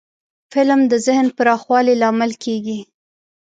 فلم د ذهن پراخوالي لامل کېږي